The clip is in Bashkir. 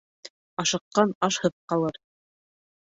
Ашыҡҡан ашһыҙ ҡалыр.